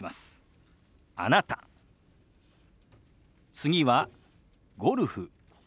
次は「ゴルフ」。